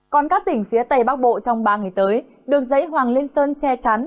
còn các tỉnh phía tây bắc bộ trong ba ngày tới được giấy hoàng lên sơn che chắn